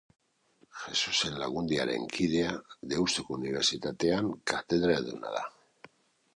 Jesusen Lagundiaren kidea, Deustuko Unibertsitatean katedraduna da.